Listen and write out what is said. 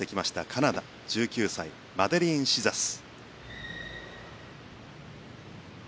カナダ、１９歳マデリーン・シザス。